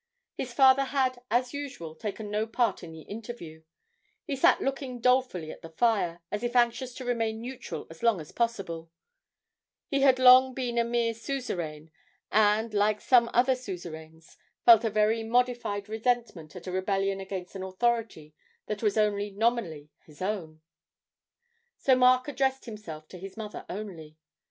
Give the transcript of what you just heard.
His father had, as usual, taken no part in the interview; he sat looking dolefully at the fire, as if anxious to remain neutral as long as possible; he had long been a mere suzerain, and, like some other suzerains, felt a very modified resentment at a rebellion against an authority that was only nominally his own. So Mark addressed himself to his mother only.